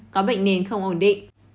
có bệnh nền không ổn định